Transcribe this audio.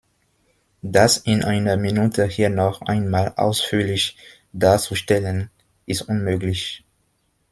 Das in einer Minute hier noch einmal ausführlich darzustellen, ist unmöglich.